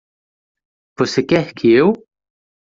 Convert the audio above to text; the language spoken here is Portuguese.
Você quer que eu?